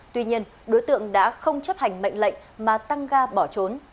tuy nhiên đối tượng đã không chấp hành mệnh lệnh mà tăng ga bỏ trốn